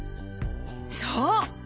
そう！